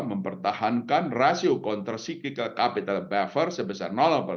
mempertahankan rasio kontrasiklikal capital buffer sebesar